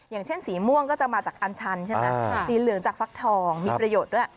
อย่างเช่นสีม่วงก็จะมาจากอันชันใช่ไหมสีเหลืองจากฟักทองมีประโยชน์ด้วย